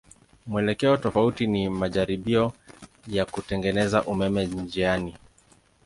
Mwelekeo tofauti ni majaribio ya kutengeneza umeme njiani.